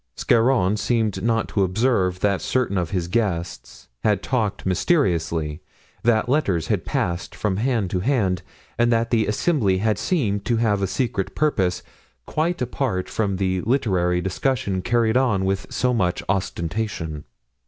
Scarron seemed not to observe that certain of his guests had talked mysteriously, that letters had passed from hand to hand and that the assembly had seemed to have a secret purpose quite apart from the literary discussion carried on with so much ostentation.